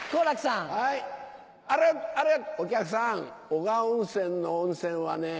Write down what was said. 男鹿温泉の温泉はね